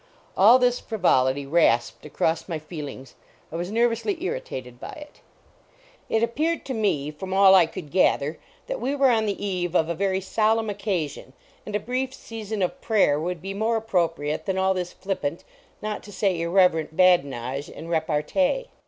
All this frivolity rasped across my feelings; I was nervously irritated by it. It appeared to me, from all I could gather, that we were on the eve of a very solemn oc casion, and a brief season of prayer would be more appropriate than all this flippant, not to say irreverent, badinage and repartee.